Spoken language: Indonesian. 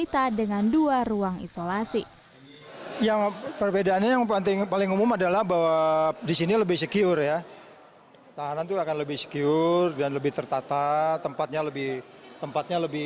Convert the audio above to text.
tempat yang digunakan untuk melakukan pertemuan atau acara resmi lainnya